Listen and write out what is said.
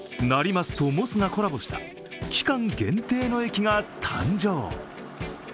成増とモスがコラボした期間限定の駅が誕生。